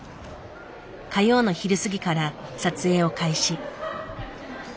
火曜の昼過ぎから撮影を開始。